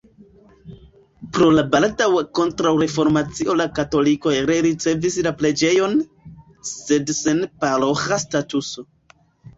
Pro la baldaŭa kontraŭreformacio la katolikoj rericevis la preĝejon, sed sen paroĥa statuso.